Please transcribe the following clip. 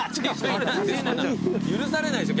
許されないでしょ